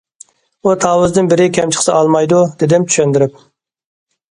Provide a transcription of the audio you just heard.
ئۇ تاۋۇزدىن بىرى كەم چىقسا ئالمايدۇ،- دېدىم چۈشەندۈرۈپ.